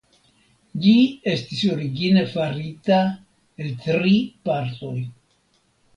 Ĝi estis origine farita el tri partoj.